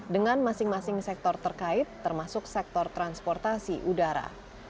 dengan masing masing sektor terkait termasuk sektor transportasi udara